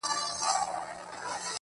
د مومندو نجونه سرې لکه ایماغ دي